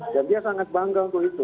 dan dia sangat bangga untuk itu